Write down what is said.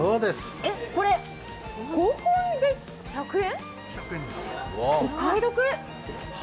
これ、５本で１００円、お買い得。